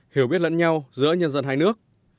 hiểu biết lẫn nhau giữa nhân dân hai nước